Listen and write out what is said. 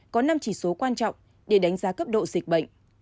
có năm chỉ số quan trọng để đánh giá cấp độ dịch bệnh